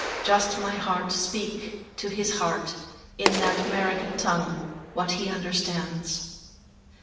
Just my heart speak to his heart in that 'Merican tongue what he understands.